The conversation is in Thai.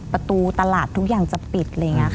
ประตูตลาดทุกอย่างจะปิด